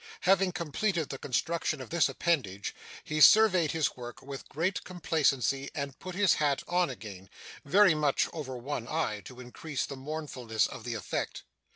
Having completed the construction of this appendage, he surveyed his work with great complacency, and put his hat on again very much over one eye, to increase the mournfulness of the effect.